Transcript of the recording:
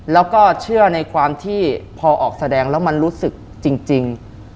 แล้วก็เชื่อในความที่พอออกแสดงแล้วมันรู้สึกจริง